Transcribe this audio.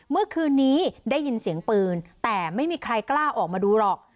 เมื่อคืนนี้ได้ยินเสียงปืนแต่ไม่มีใครกล้าออกมาดูหรอก